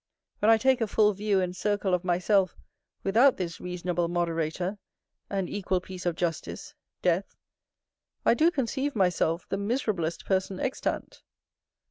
When I take a full view and circle of myself without this reasonable moderator, and equal piece of justice, death, I do conceive myself the miserablest person extant.